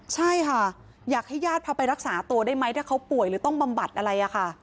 ใช่ค่ะอยากให้ญาติพาไปรักษาตัวได้ไหมถ้าเขาป่วยหรือต้องบำบัดอะไรอะค่ะ